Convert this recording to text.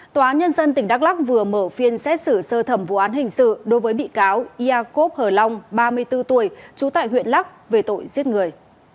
tòa nhân dân tỉnh đắk lắc vừa mở phiên xét xử sơ thẩm vụ án hình sự đối với bị cáo iakov hờ long ba mươi bốn tuổi trú tại huyện lắc về tội giết người